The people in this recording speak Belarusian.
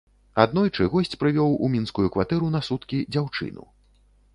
Аднойчы госць прывёў у мінскую кватэру на суткі дзяўчыну.